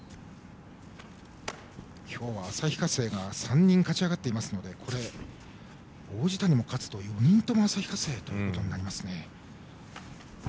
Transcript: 今日は旭化成が３人勝ち上がっていますので王子谷も勝つと４人とも旭化成となりますね。